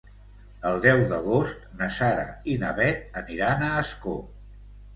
El deu d'agost na Sara i na Bet aniran a Ascó.